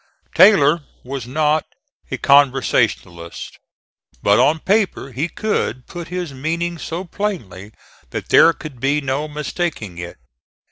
Taylor was not a conversationalist, but on paper he could put his meaning so plainly that there could be no mistaking it.